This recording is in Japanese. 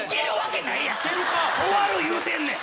終わる言うてんねん！